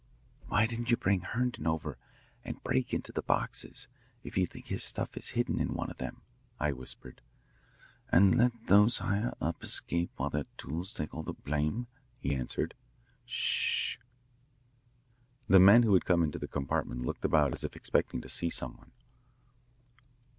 "Why didn't you bring Herndon over and break into the boxes, if you think the stuff is hidden in one of them?" I whispered. "And let those higher up escape while their tools take all the blame?" he answered. "Sh h." The men who had come into the compartment looked about as if expecting to see some one.